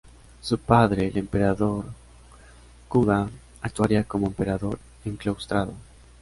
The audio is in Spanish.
Su padre, el Emperador Go-Uda actuaría como Emperador Enclaustrado.